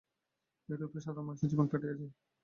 এইরূপেই সাধারণ মানুষের জীবন কাটিয়া যায়।